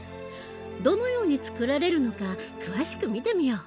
どのように作られるのか詳しく見てみよう！